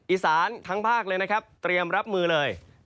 อีสานทั้งภาคเลยนะครับเตรียมรับมือเลย